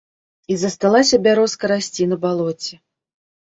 І засталася бярозка расці на балоце.